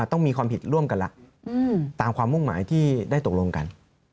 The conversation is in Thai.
ต้องมีความผิดร่วมกันละตามความมุ่งหมายที่ได้ตกลงกัน